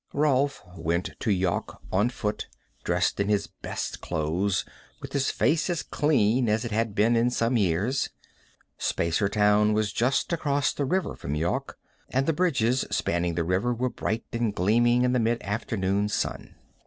Rolf went to Yawk on foot, dressed in his best clothes, with his face as clean as it had been in some years. Spacertown was just across the river from Yawk, and the bridges spanning the river were bright and gleaming in the mid afternoon sun.